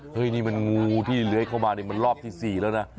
เฮ้ยนี่มันงูที่เลื้อยเข้ามานี่มันรอบที่๔แล้วนะ